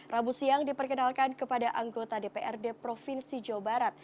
rabu siang diperkenalkan kepada anggota dprd provinsi jawa barat